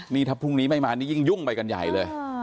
นี่ถ้าพรุ่งนี้ไม่มานี่ยิ่งยุ่งไปกันใหญ่เลย